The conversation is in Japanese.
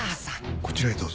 こちらへどうぞ。